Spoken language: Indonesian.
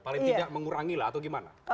paling tidak mengurangi lah atau gimana